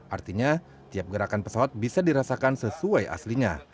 artinya tiap gerakan pesawat bisa dirasakan sesuai aslinya